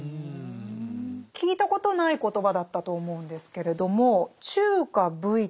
聞いたことない言葉だったと思うんですけれども「中夏無為」。